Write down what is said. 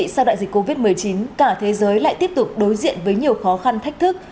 sau đại dịch covid một mươi chín cả thế giới lại tiếp tục đối diện với nhiều khó khăn thách thức